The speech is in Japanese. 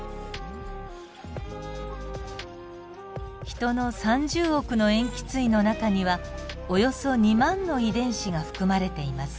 ヒトの３０億の塩基対の中にはおよそ２万の遺伝子が含まれています。